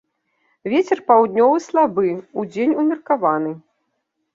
Вецер паўднёвы слабы, удзень умеркаваны.